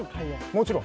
もちろん。